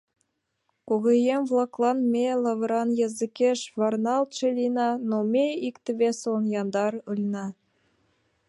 Кугыеҥ-влаклан ме лавыран языкеш варналтше лийынна, но ме икте-весыланна яндар ыльна».